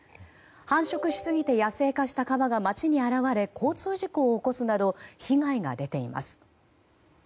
繁殖しすぎて野生化したカバが街に現れ、交通事故を起こすなど被害が出ています。